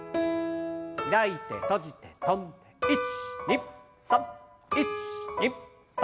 開いて閉じて跳んで１２３１２３。